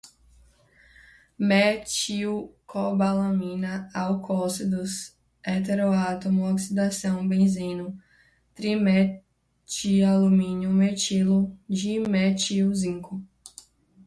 metilcobalamina, alcóxidos, heteroátomo, oxidação, benzeno, trimetilalumínio, metilo, dimetilzinco